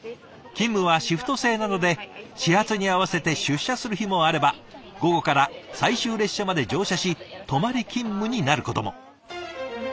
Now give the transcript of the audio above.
勤務はシフト制なので始発に合わせて出社する日もあれば午後から最終列車まで乗車し泊まり勤務になることも。